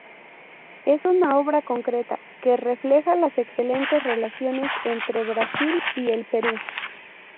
Es una obra concreta que refleja las excelentes relaciones entre Brasil y el Perú.